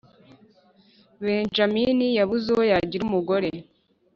benjamini yabuze uwo yagira umugore